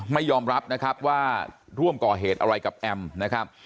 ไม่ยอมรับนะครับว่าร่วมก่อเหตุอะไรกับแอมนะครับ